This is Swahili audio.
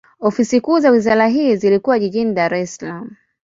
Ofisi kuu za wizara hii zilikuwa jijini Dar es Salaam.